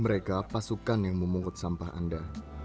mereka pasukan yang memungut sampah anda